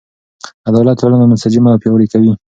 عدالت ټولنه منسجمه او پیاوړې کوي.